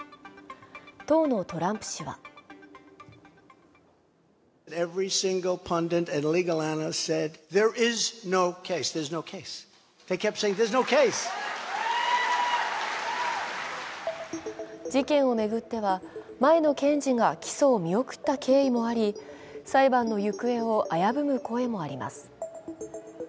当のトランプ氏は事件を巡っては前の検事が起訴を見送った経緯もあり、裁判の行方を危ぶむ声もあります。